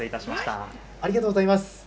ありがとうございます。